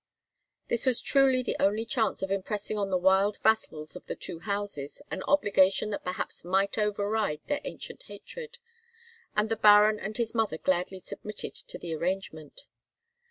This was truly the only chance of impressing on the wild vassals of the two houses an obligation that perhaps might override their ancient hatred; and the Baron and his mother gladly submitted to the arrangement.